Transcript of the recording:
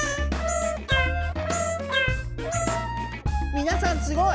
みなさんすごい。